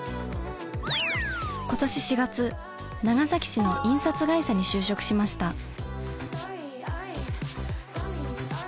今年４月長崎市の印刷会社に就職しました。